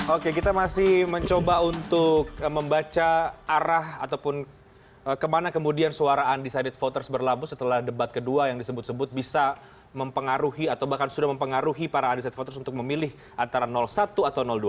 oke kita masih mencoba untuk membaca arah ataupun kemana kemudian suara undecided voters berlabuh setelah debat kedua yang disebut sebut bisa mempengaruhi atau bahkan sudah mempengaruhi para undecided voters untuk memilih antara satu atau dua